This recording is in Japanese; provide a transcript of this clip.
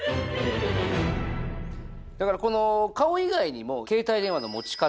だからこの顔以外にも携帯電話の持ち方。